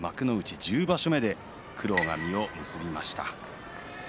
１０場所目で苦労が実を結びました。